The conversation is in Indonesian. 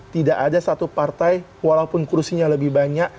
tidak ada satu partai walaupun kursinya lebih banyak